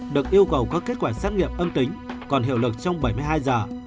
được yêu cầu có kết quả xét nghiệm âm tính còn hiệu lực trong bảy mươi hai giờ